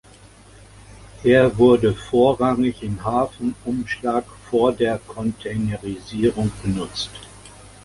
Er wurde vorrangig im Hafenumschlag vor der Containerisierung benutzt.